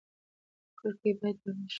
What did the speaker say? کړکۍ باید بنده شي.